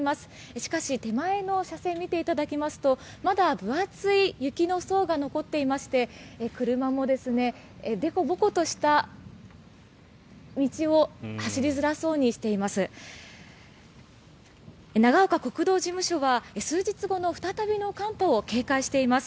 しかし手前の車線を見ていただきますとまだ分厚い雪の層が残っていまして車もでこぼことした道を走りづらそうにしています。